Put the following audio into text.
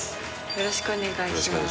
よろしくお願いします。